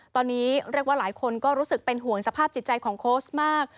ตอนนี้เรียกว่าหลายคนก็รู้สึกเป็นห่วงสภาพจิตใจของโค้ชมาก